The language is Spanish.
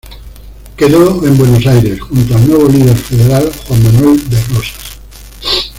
Quedó en Buenos Aires, junto al nuevo líder federal, Juan Manuel de Rosas.